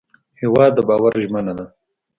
هېواد د باور ژمنه ده.